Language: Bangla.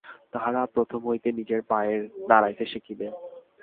তাহারা প্রথম হইতেই নিজের পায়ে দাঁড়াইতে শিখিবে।